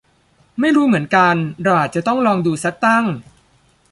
ไม่รู้เหมือนกัน เราอาจจะต้องลองดูซักตั้ง